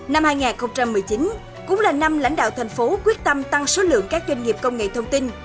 năm hai nghìn một mươi chín cũng là năm lãnh đạo thành phố quyết tâm tăng số lượng các doanh nghiệp công nghệ thông tin